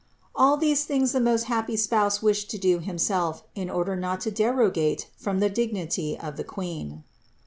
All these things the most happy spouse wished to do himself, in order not to derogate from the dignity of the Queen.